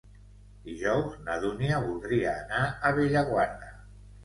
Dijous na Dúnia voldria anar a Bellaguarda.